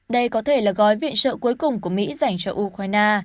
đây có thể là gói viện trợ cuối cùng của mỹ dành cho ukraine